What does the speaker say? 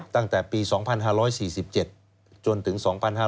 ตั้งแต่ปี๒๕๔๗จนถึง๒๕๕๙